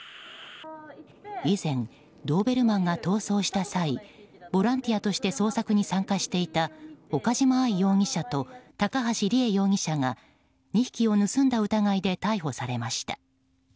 以前、ドーベルマンが逃走した際ボランティアとして捜索に参加していた岡島愛容疑者と高橋里衣容疑者が２匹を盗んだ疑いで逮捕されました。